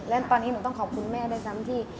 และตอนนี้หนูต้องขอบคุณแม่ด้วยซ้ำที่